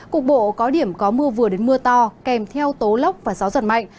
cục bộ có điểm có mưa vừa đến mưa to kèm theo tố lốc và gió giật mạnh